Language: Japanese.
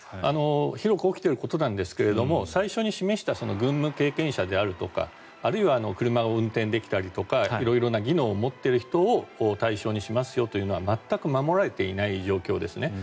広く起きていることですが最初に示した軍務経験であるとかあるいは車を運転できたりとか色々な技能を持っている人を対象にしますよというのは全く守られていない状況ですね。